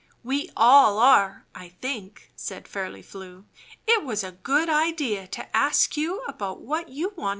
"We all are, I think," said Fairly Flew. "It was a good idea to ask you about what you wanted to aref Keep still